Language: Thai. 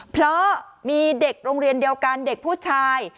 เพราะมีเด็กโรงเรียนเดียวกันเด็กผู้ชาย